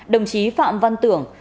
đồng chí phạm văn tưởng